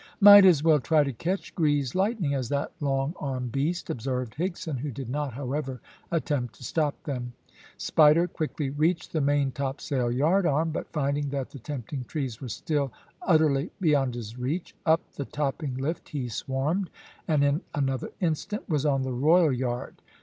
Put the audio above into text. "Might as well try to catch greased lightning as that long armed beast," observed Higson, who did not, however, attempt to stop them. Spider quickly reached the main topsail yard arm, but finding that the tempting trees were still utterly beyond his reach, up the topping lift he swarmed, and in another instant was on the royal yard.